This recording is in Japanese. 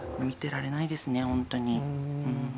見てられないですね、本当に。